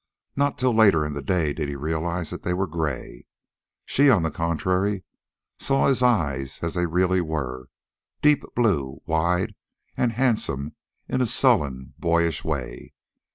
Not till later in the day did he realize that they were gray. She, on the contrary, saw his eyes as they really were deep blue, wide, and handsome in a sullen boyish way.